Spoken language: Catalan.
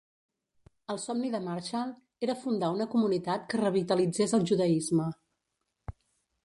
El somni de Marshall era fundar una comunitat que revitalitzés el judaisme.